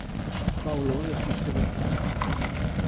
Fa olor de fusta de pi.